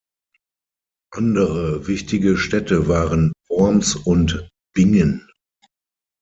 Andere wichtige Städte waren Worms und Bingen.